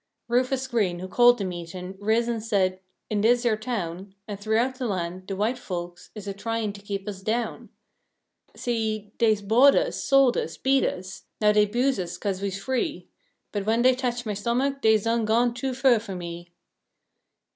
Rufus Green, who called de meetin', ris an' said: "In dis here town, An' throughout de land, de white folks is a tryin' to keep us down." S' 'e: "Dey's bought us, sold us, beat us; now dey 'buse us 'ca'se we's free; But when dey tetch my stomach, dey's done gone too fur foh me!